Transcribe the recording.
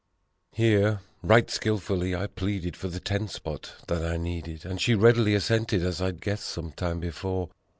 Here, right skillfully I pleaded for the ten spot that I needed, And she readily assented, as I'd guessed some time before.